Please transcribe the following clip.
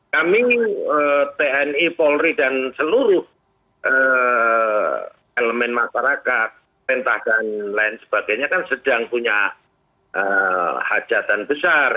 kami tni polri dan seluruh elemen masyarakat pentah dan lain sebagainya kan sedang punya hajatan besar